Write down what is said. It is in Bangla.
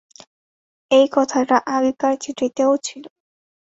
এই কথাটাই আগেকার চিঠিতেও ছিল।